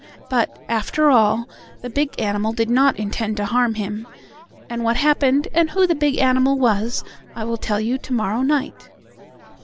But, after all, the big animal did not intend to harm him. And what happened, and who the big animal was I will tell you to morrow night.